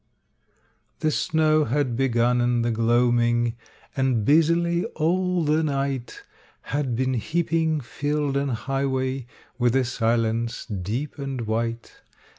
_ The snow had begun in the gloaming, And busily all the night Had been heaping field and highway With a silence deep and white.